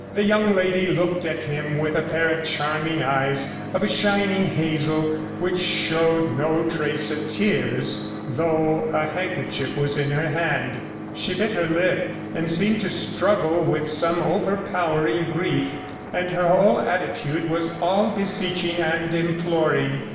The young lady looked at him with a pair of charming eyes of a shining hazel, which showed no trace of tears, though a handkerchief was in her hand; she bit her lip, and seemed to struggle with some overpowering grief, and her whole attitude was all beseeching and imploring.